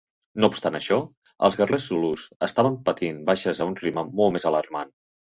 No obstant això, els guerrers zulus estaven patint baixes a un ritme molt més alarmant.